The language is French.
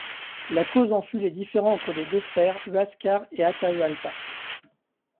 La cause en fut les différends entre les deux frères, Huascar et Atahualpa.